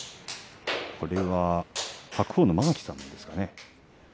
これは白鵬の間垣さんですかね